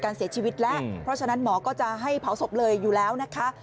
เสียชีวิตแล้วเพราะฉะนั้นหมอก็จะให้เผาศพเลยอยู่แล้วนะคะ